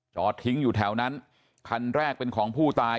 จอดทิ้งอยู่แถวนั้นคันแรกเป็นของผู้ตาย